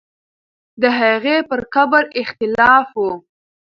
د هغې پر قبر اختلاف وو.